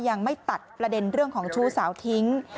ยังไม่ตัดประเด็นเรื่องของชู้สาวทิ้ง